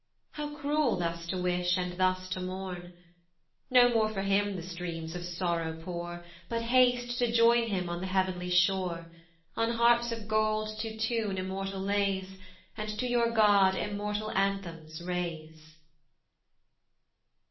How cruel thus to wish, and thus to mourn? No more for him the streams of sorrow pour, But haste to join him on the heav'nly shore, On harps of gold to tune immortal lays, And to your God immortal anthems raise.